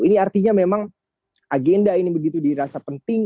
ini artinya memang agenda ini begitu dirasa penting